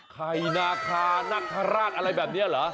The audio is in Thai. ไข่นาคารัฆอะไรแบบนี้หรอ